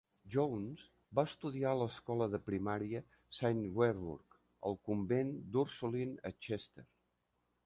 Jones va estudiar a l'escola de primària Saint Werburgh i al Convent d'Ursuline a Chester.